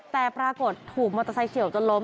แต่ปรากฏถูกมอเตอร์ไซค์เฉียวจนล้ม